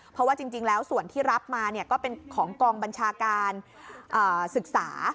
เพราะว่าจริงแล้วส่วนที่รับมาก็เป็นของกองบัญชาการศึกษา